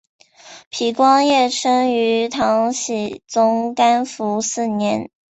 皮光业生于唐僖宗干符四年。